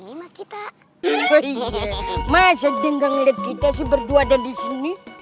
eh kaki kaki kurang tinggi tinggi kita berdua dan disini